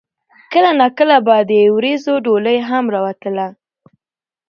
کله نا کله به د وريځو ډولۍ هم راوتله